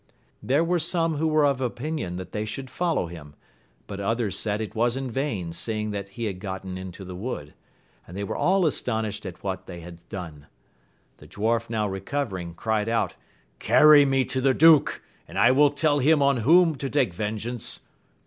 There were some who were of opinion that^hey should follow him, but others said it was in vain seeing that he had gotten into the wood ; and they were all astonished at what they had done. The dwarf now recovering, cried out. Carry me to the duke, and I will tell him on whom to take vengeance.